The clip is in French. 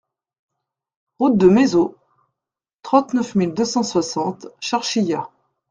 Route de Maisod, trente-neuf mille deux cent soixante Charchilla